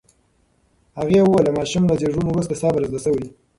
هغې وویل، د ماشوم له زېږون وروسته صبر زده شوی.